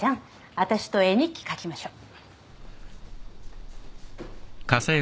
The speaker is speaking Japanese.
私と絵日記書きましょう。